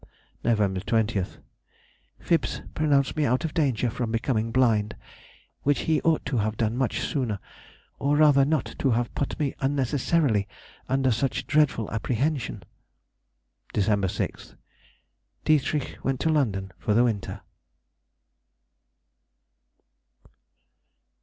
Nov. 20th.—Phips pronounced me out of danger from becoming blind, which he ought to have done much sooner, or rather not to have put me unnecessarily under such dreadful apprehension. Dec. 6th.—Dietrich went to London for the winter.